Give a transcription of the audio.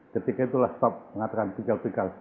ketika itulah stop mengatakan pikal pikal